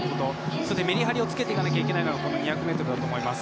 そしてメリハリをつけていかなきゃいけないのがこの２００ｍだと思います。